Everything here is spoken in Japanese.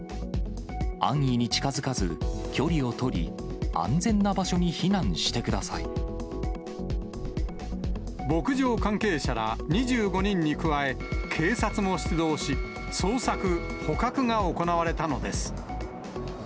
安易に近づかず、距離を取り、牧場関係者ら２５人に加え、警察も出動し、捜索、捕獲が行われたのです。